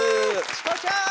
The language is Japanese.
チコちゃん！